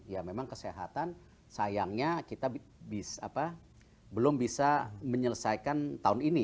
ya memang kesehatan sayangnya kita belum bisa menyelesaikan tahun ini